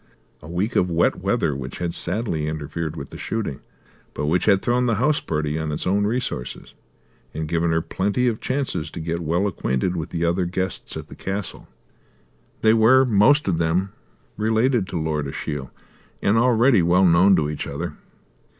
A week of wet weather which had sadly interfered with the shooting, but which had thrown the house party on its own resources and given her plenty of chances to get well acquainted with the other guests at the castle. They were most of them related to Lord Ashiel and already well known to each other.